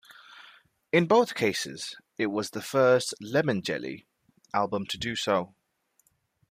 In both cases, it was the first "Lemon Jelly" album to do so.